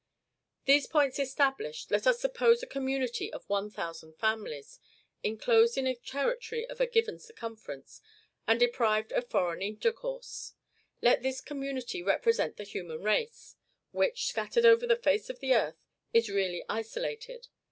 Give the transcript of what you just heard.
These points established, let us suppose a community of one thousand families, enclosed in a territory of a given circumference, and deprived of foreign intercourse. Let this community represent the human race, which, scattered over the face of the earth, is really isolated.